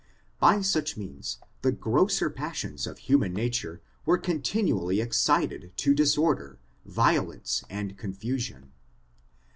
By such means, the grosser passions of hu man nature were continually excited to disorder, vio I lence, and confusion.